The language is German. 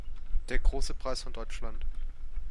Der „Großer Preis von Deutschland.